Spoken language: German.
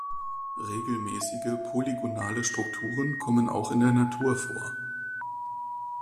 Regelmäßige polygonale Strukturen kommen auch in der Natur vor.